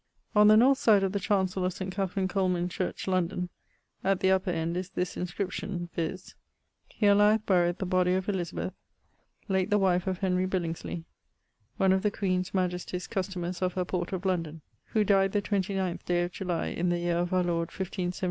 On the north side of the chancell of St. Katharine Coleman church London at the upper end is this inscription, viz: Here lieth buried the body of Elizabeth, late the wife of Henry Billingsley, one of the Queene's majestie's customers of her port of London, who dyed the 29th day of July in the yeare of our Lord God 1577.